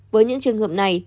với những trường hợp này